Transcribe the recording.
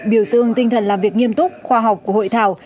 biểu dương tinh thần làm việc nghiêm túc khoa học của hội thảo